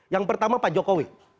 yang pertama pak jokowi